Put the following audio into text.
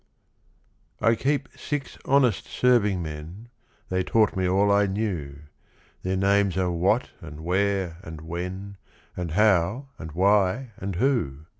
I Keep six honest serving men: (They taught me all I knew) Their names are What and Where and When And How and Why and Who.